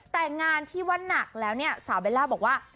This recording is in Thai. แต่งานที่ว่านักแล้วเนี่ยสาวเบลล่าบอกว่า